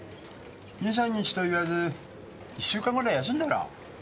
２３日と言わず１週間ぐらい休んだら？